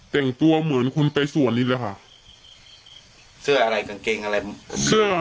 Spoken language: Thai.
แต่งตัวเหมือนคุณไปสวนนี้เลยค่ะเสื้ออะไรกางเกงอะไรเสื้อ